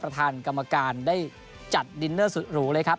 ประธานกรรมการได้จัดดินเนอร์สุดหรูเลยครับ